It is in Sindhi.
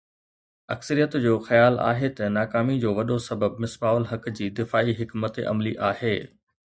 اڪثريت جو خيال آهي ته ناڪامي جو وڏو سبب مصباح الحق جي دفاعي حڪمت عملي آهي